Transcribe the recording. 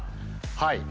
はい。